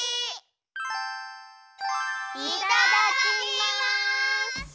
いただきます！